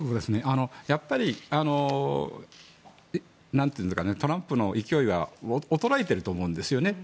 やっぱりトランプの勢いは衰えてると思うんですよね。